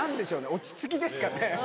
落ち着きですかね。